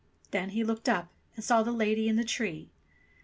Then he looked up and saw the lady in the tree.